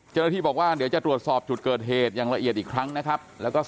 เจ้าหน้าที่บอกว่าเดี๋ยวจะตรวจสอบจุดเกิดเหตุอย่างละเอียดอีกครั้งนะครับ